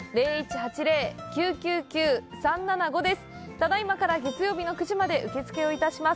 ただいまから月曜日の９時まで受け付けをいたします。